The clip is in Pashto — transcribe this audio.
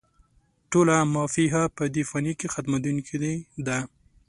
ټوله «ما فيها» په دې فاني کې ختمېدونکې ده